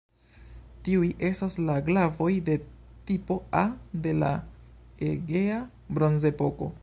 Tiuj estas la glavoj de "tipo A" de la Egea Bronzepoko.